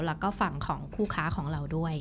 แล้วก็ฝั่งของคู่ค้าของเราด้วย